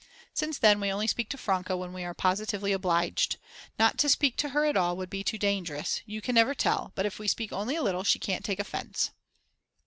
Since then we only speak to Franke when we are positively obliged. Not to speak to her at all would be too dangerous, you never can tell; but if we speak only a little, she can't take offence.